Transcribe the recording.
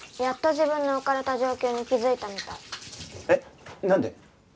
やっと自分の置かれた状況に気づいたみたい。